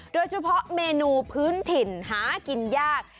โดยเฉพาะเมนูพื้นถิ่นหากินยาก